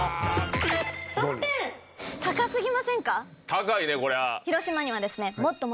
高いねこりゃ。